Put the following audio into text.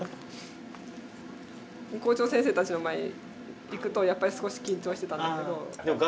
校長先生たちの前に行くとやっぱり少し緊張してたんだけど。